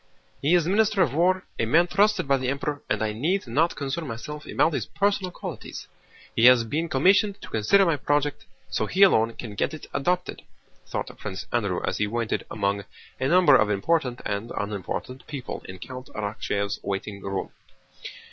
"He is Minister of War, a man trusted by the Emperor, and I need not concern myself about his personal qualities: he has been commissioned to consider my project, so he alone can get it adopted," thought Prince Andrew as he waited among a number of important and unimportant people in Count Arakchéev's waiting room.